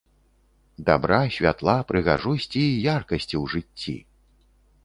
Дабра, святла, прыгажосці і яркасці ў жыцці!